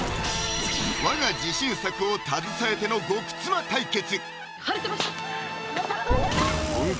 我が自信作を携えての「極妻」対決！